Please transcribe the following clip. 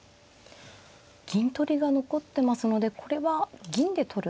銀取りが残ってますのでこれは銀で取る。